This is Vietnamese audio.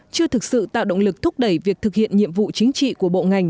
chưa thực sự tạo động lực thúc đẩy việc thực hiện nhiệm vụ chính trị của bộ ngành